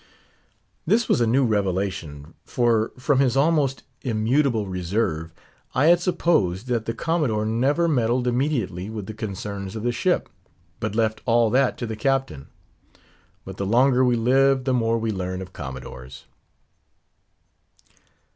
This was a new revelation; for, from his almost immutable reserve, I had supposed that the Commodore never meddled immediately with the concerns of the ship, but left all that to the captain. But the longer we live, the more we learn of commodores.